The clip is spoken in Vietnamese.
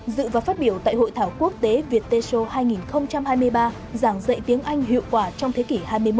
dự và phát biểu tại hội thảo quốc tế viettel show hai nghìn hai mươi ba giảng dạy tiếng anh hiệu quả trong thế kỷ hai mươi một